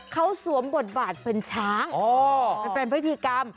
เขาสวมบทบาทเป็นช้างมันเป็นพิธีกรรม